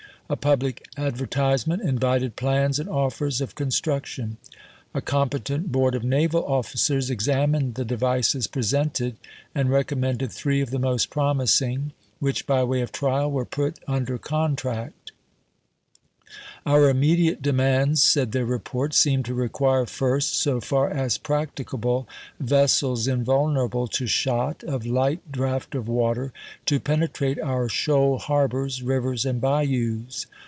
A pub lic advertisement invited plans and offers of con struction. A competent board of naval officers examined the devices presented, and recommended three of the most promising, which by way of trial were put under contract. " Our immediate de g^^t^fn. mands," said their report, " seem to require, first, so ^ ^DLvIe, far as practicable, vessels invulnerable to shot, of S^ie! light draft of water, to penetrate our shoal har "Armored Vessels " bors, rivers, and bayous."